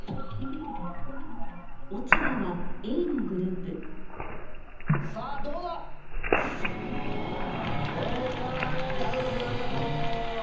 「おちば」はＡのグループさぁどうだ⁉正解あらた君ありがとう。